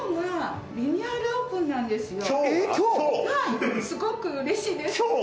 すごくうれしいです。